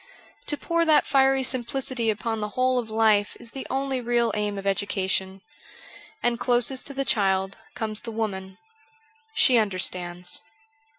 To pour that fiery simplicity upon the whole of life is the only real aim of education ; and closest to the child comes the woman — she understands.